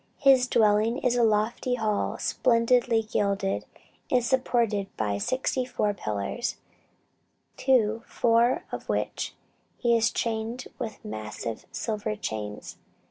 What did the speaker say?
His dwelling is a lofty hall splendidly gilded, and supported by sixty four pillars, to four of which he is chained with massive silver chains.